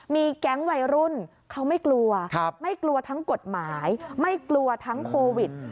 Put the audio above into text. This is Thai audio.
มีแก๊งวัยรุ่นเขาไม่กลัวไม่กลัวทั้งกฎหมายไม่กลัวทั้งโควิด